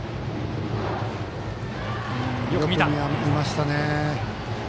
よく見ましたね。